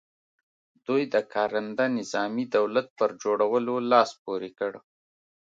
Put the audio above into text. دوی د کارنده نظامي دولت پر جوړولو لاس پ ورې کړ.